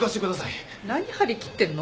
何張り切ってんの？